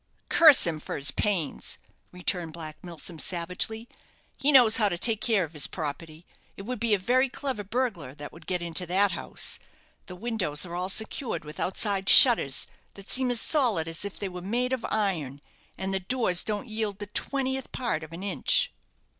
"Curse him for his pains!" returned Black Milsom, savagely. "He knows how to take care of his property. It would be a very clever burglar that would get into that house. The windows are all secured with outside shutters, that seem as solid as if they were made of iron, and the doors don't yield the twentieth part of an inch."